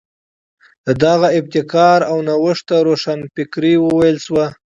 د دغې ابتکار او نوښت ته روښانفکري وویل شوه.